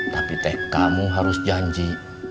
tapi teh kamu harus janji